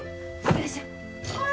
よいしょあ！